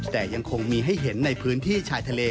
แต่ยังคงมีให้เห็นในพื้นที่ชายทะเล